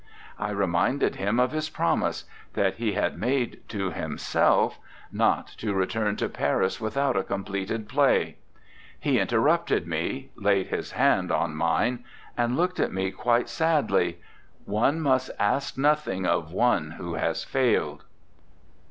I reminded him of his promise, that he had made to himself, not to re 65 RECOLLECTIONS OF OSCAR WILDE turn to Paris without a completed play. He interrupted me, laid his hand on mine, and looked at me quite sadly: "One must ask nothing of one who has failed."